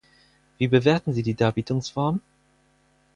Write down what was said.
Wie bewerten Sie die Darbietungsform?